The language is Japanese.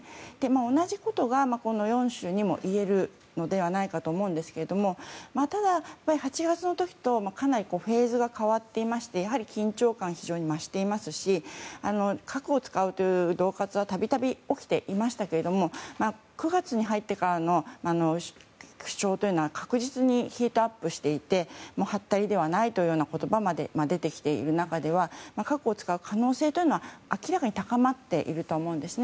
同じことがこの４州にもいえるのではないかと思うんですがただ、８月の時とはかなりフェーズが変わっていて緊張感、非常に増していますし核を使うという恫喝は度々起きていましたけど９月に入ってからの主張は確実にヒートアップしていてはったりではないという言葉まで出てきている中では核を使う可能性は、明らかに高まっていると思います。